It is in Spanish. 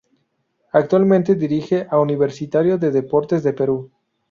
Actualmente dirige a Universitario de Deportes de Perú.